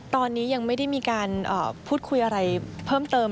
ตอนนี้ยังไม่ได้มีการพูดคุยอะไรเพิ่มเติม